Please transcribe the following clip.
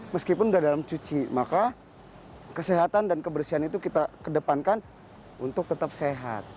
meskipun sudah dalam cuci maka kesehatan dan kebersihan itu kita kedepankan untuk tetap sehat